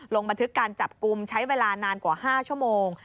ลงบันทึกการจับกลุ่มใช้เวลานานกว่า๕ชั่วโมง